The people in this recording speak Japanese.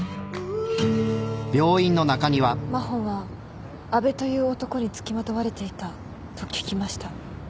真帆は阿部という男に付きまとわれていたと聞きました。